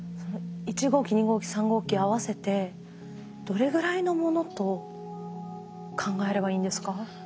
１号機２号機３号機合わせてどれぐらいのものと考えればいいんですか？